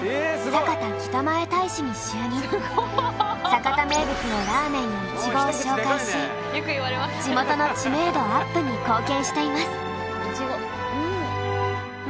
酒田名物のラーメンやいちごを紹介し地元の知名度アップに貢献しています。